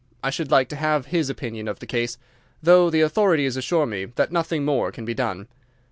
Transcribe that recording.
I should like to have his opinion of the case, though the authorities assure me that nothing more can be done.